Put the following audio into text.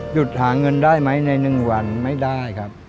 หยุดหาเงินได้ไหมใน๑วันไม่ได้ครับ